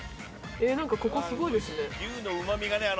何かここすごいですね。